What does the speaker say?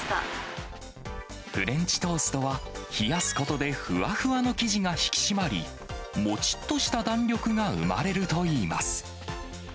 フレンチトーストは、冷やすことでふわふわの生地が引き締まり、もちっとした弾力が生まれるといいます。